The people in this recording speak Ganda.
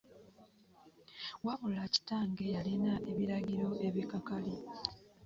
Wabula kitange yalina ebiragiro ebikakali.